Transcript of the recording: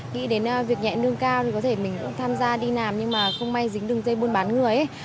nghĩ đến việc nhẹ nương cao thì có thể mình cũng tham gia đi nàm nhưng mà không may dính đường dây mua bán người ý